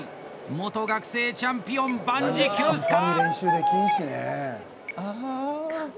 元学生チャンピオン万事休すか！